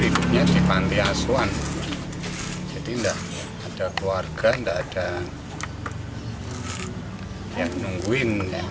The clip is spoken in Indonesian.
hidupnya di pantai aswan jadi enggak ada keluarga enggak ada yang nungguin